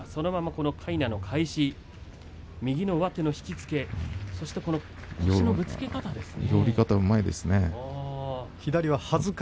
かいなの返し右の上手の引き付け、そして腰のぶつけ方ですね。